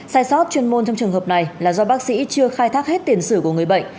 sai sót chuyên môn trong trường hợp này là do bác sĩ chưa khai thác hết tiền sử của người bệnh